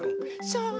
そう。